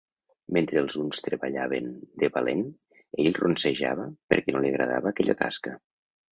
Mentre els uns treballaven de valent, ell ronsejava perquè no li agradava aquella tasca.